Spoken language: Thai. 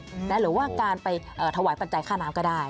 หรือว่าการไปถวายปัจจัยค่าน้ำก็ได้